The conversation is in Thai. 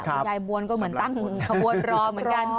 คุณยายบวนก็เหมือนตั้งขบวนรอเหมือนกัน